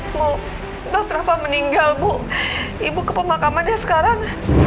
ibu mas rafa meninggal bu ibu ke pemakamannya sekarang